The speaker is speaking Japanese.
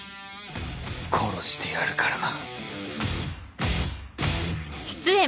殺してやるからな